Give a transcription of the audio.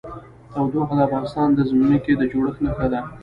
تودوخه د افغانستان د ځمکې د جوړښت نښه ده.